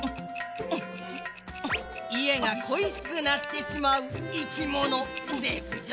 家が恋しくなってしまう生き物ですじゃ。